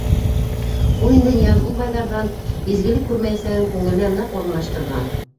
Ул инде Ныязғол байҙарҙан изгелек күрмәйәсәген күңеленә ныҡ урынлаштырған.